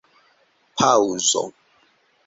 paŭzo